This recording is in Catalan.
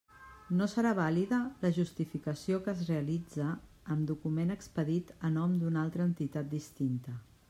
No serà vàlida la justificació que es realitze amb document expedit a nom d'una altra entitat distinta.